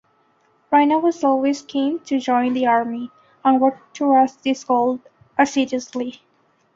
Raina was always keen to join the Army and worked towards this goal assiduously.